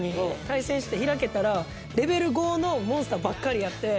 対戦して開けたら、レベル５のモンスターばっかりやって。